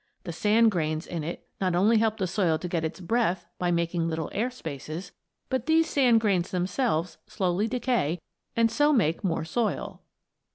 The sand grains in it not only help the soil to get its breath by making little air spaces, but these sand grains themselves slowly decay and so make more soil.